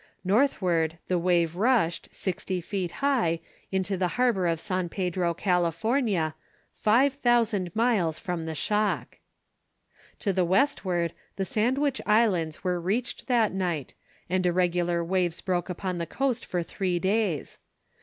Northward, the wave rushed, sixty feet high, into the harbor of San Pedro, California, five thousand miles from the shock. To the westward, the Sandwich Islands were reached that night, and irregular waves broke upon the coast for three days.